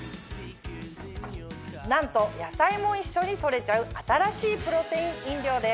なんと野菜も一緒に取れちゃう新しいプロテイン飲料です。